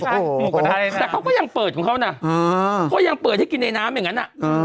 แต่เขาก็ยังเปิดของเขานะเขายังเปิดให้กินในน้ำอย่างนั้น